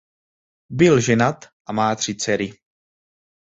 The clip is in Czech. Byl ženat a má tři dcery.